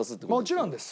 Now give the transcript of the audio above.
もちろんです。